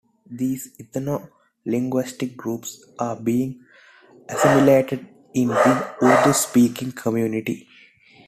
These ethno-linguistic groups are being assimilated in the Urdu-speaking community.